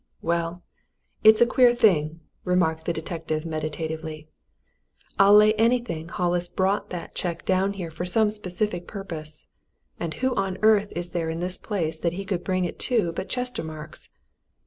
"Well it's a queer thing," remarked the detective meditatively. "I'll lay anything Hollis brought that cheque down here for some specific purpose and who on earth is there in this place that he could bring it to but Chestermarke's?